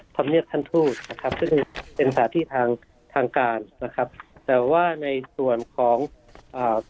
ธรรมเนียบท่านทู่นะครับซึ่งเป็นสถานที่ทางทางการนะครับแต่ว่าในส่วนของอ่า